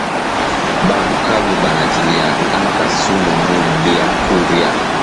Ba bukavu banatilianaka sumu mu bya kurya